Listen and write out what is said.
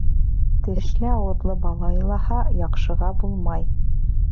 Тешле-ауыҙлы бала илаһа, яҡшыға булмай.